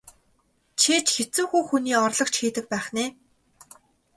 Чи ч хэцүүхэн хүний орлогч хийдэг байх нь ээ?